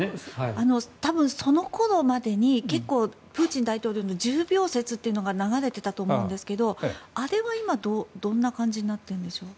その頃までに結構、プーチン大統領の重病説というのが流れていたと思うんですがあれは今、どんな感じになっているんですか。